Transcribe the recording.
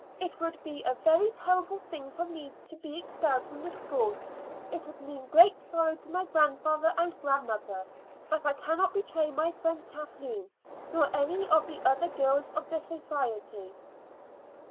It would be a very terrible thing for me to be expelled from this school; it would mean great sorrow to my grandfather and grandmother; but I cannot betray my friend Kathleen, nor any of the other girls of the society."